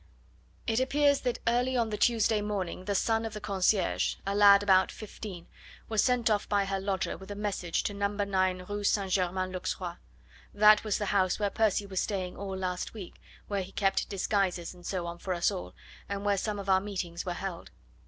"It appears that early on the Tuesday morning the son of the concierge a lad about fifteen was sent off by her lodger with a message to No. 9 Rue St. Germain l'Auxerrois. That was the house where Percy was staying all last week, where he kept disguises and so on for us all, and where some of our meetings were held.